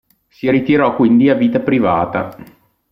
Si ritirò quindi a vita privata.